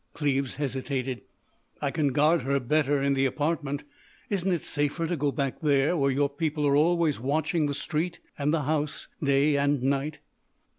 Cleves hesitated: "I can guard her better in the apartment. Isn't it safer to go back there, where your people are always watching the street and house day and night?"